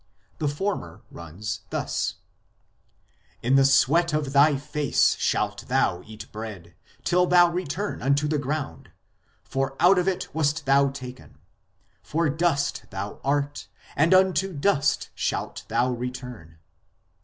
The former runs thus :" In the sweat of thy face shalt thou eat bread, till thou return unto the ground ; for out of it wast thou taken ; for dust thou art, and unto dust shalt thou return."